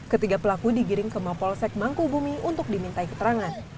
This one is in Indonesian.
ketiga pelaku digiring ke mopol sek mangku bumi untuk dimintai keterangan